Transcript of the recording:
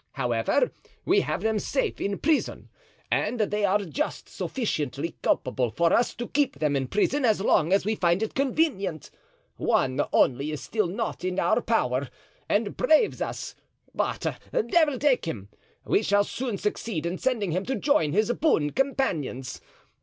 However, we have them safe in prison, and they are just sufficiently culpable for us to keep them in prison as long as we find it convenient. One only is still not in our power and braves us. But, devil take him! we shall soon succeed in sending him to join his boon companions.